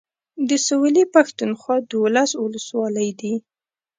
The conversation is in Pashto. د سويلي پښتونخوا دولس اولسولۍ دي.